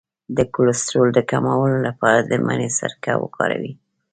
د کولیسټرول د کمولو لپاره د مڼې سرکه وکاروئ